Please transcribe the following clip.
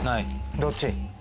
どっち？